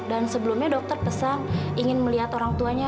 dan sebelumnya dokter pesan ingin melihat orang tuanya